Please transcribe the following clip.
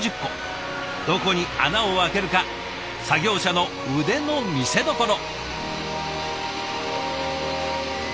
どこに穴を開けるか作業者の腕の見せどころ。